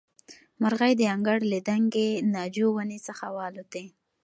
مرغۍ د انګړ له دنګې ناجو ونې څخه والوتې.